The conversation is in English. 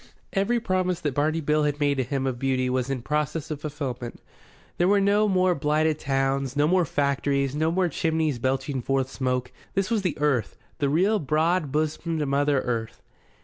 Every promise that Barney Bill had made to him of beauty was in process of fulfilment. There were no more blighted towns, no more factories, no more chimneys belching forth smoke. This was the Earth, the real broad bosomed Mother Earth.